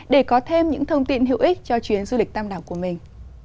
để có thêm những thông tin hữu ích cho chuyến du lịch tam đảo của mình